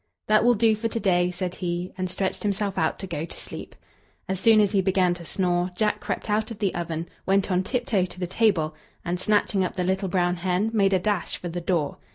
"That will do for to day," said he, and stretched himself out to go to sleep. As soon as he began to snore, Jack crept out of the oven, went on tiptoe to the table, and, snatching up the little brown hen, made a dash for the door.